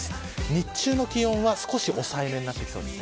日中の気温は少し抑えめになってきそうです。